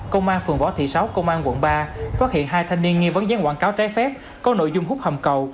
công an phường võ thị sáu công an quận ba phát hiện hai thanh niên nghi vấn gián quảng cáo trái phép có nội dung hút hầm cầu